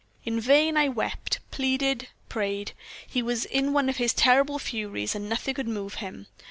In vain I wept, pleaded, prayed. He was in one of his terrible furies, and nothing could move him.